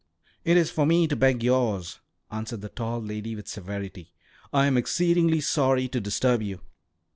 "It is for me to beg yours," answered the tall lady with severity. "I am exceedingly sorry to disturb you."